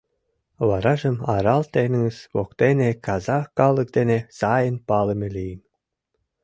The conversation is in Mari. Варажым Арал теҥыз воктене казах калык дене сайын палыме лийын.